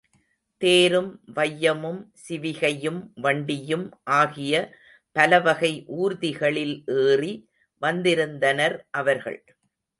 தேரும் வையமும் சிவிகையும் வண்டியும் ஆகிய பலவகை ஊர்திகளில் ஏறி வந்திருந்தனர் அவர்கள்.